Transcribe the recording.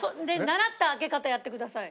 習った開け方やってください。